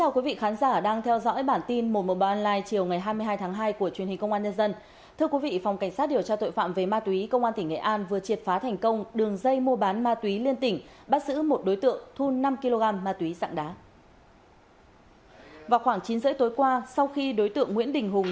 cảm ơn các bạn đã theo dõi